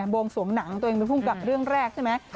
วงสวมหนังตัวเองเป็นภูมิกับเรื่องแรกใช่ไหม